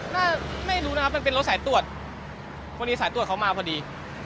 ไม่รู้นะครับมันเป็นรถสายตรวจพอดีสายตรวจเขามาพอดี